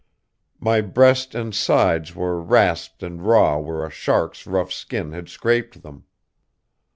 My breast and sides were rasped and raw where a shark's rough skin had scraped them.